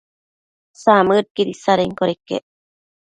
Samëdsho isadenquioda iquec